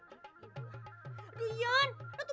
lo tuh bener banget sih